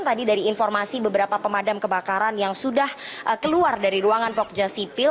tadi dari informasi beberapa pemadam kebakaran yang sudah keluar dari ruangan pokja sipil